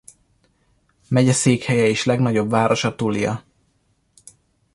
Megyeszékhelye és legnagyobb városa Tulia.